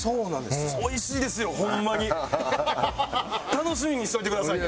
楽しみにしといてくださいね。